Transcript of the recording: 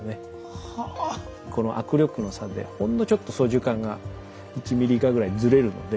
この握力の差でほんのちょっと操縦かんが１ｍｍ以下ぐらいずれるので。